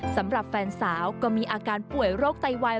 สำหรับแฟนสาวก็มีอาการป่วยโรคไตวาย